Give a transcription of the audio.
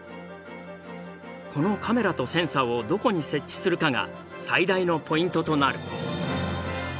このカメラとセンサーをどこに設置するかが最大のポイントとなる。